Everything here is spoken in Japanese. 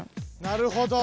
なるほど。